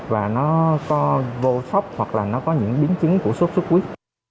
và nó vô sốc hoặc là nó có những biến chứng của sốt xuất huyết